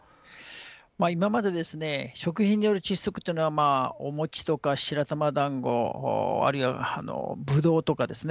今まで食品による窒息っていうのはお餅とか白玉だんごあるいはブドウとかですね